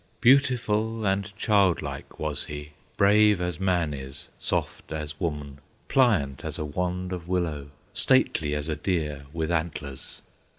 Beautiful and childlike was he, Brave as man is, soft as woman, Pliant as a wand of willow, Stately as a deer with antlers.